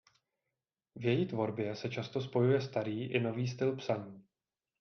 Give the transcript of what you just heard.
V její tvorbě se často spojuje starý i nový styl psaní.